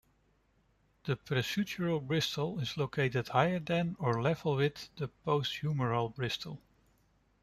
The presutural bristle is located higher than or level with the posthumeral bristle.